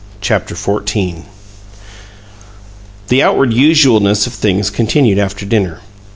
CHAPTER XIV The outward usualness of things continued after dinner.